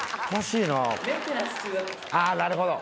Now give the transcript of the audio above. あぁなるほど！